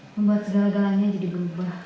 membuat segala galanya jadi berubah